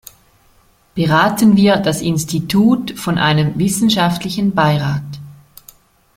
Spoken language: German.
Beraten wird das Institut von einem „Wissenschaftlichen Beirat“.